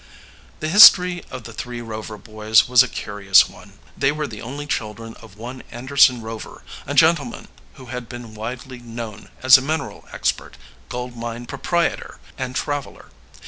The history of the three Rover boys was a curious one. They were the only children of one Anderson Rover, a gentleman who had been widely known as a mineral expert, gold mine proprietor, and traveler.